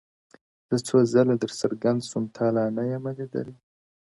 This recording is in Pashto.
زه څو ځله در څرګند سوم تا لا نه یمه لیدلی!